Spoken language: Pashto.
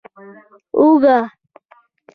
🧄 اوږه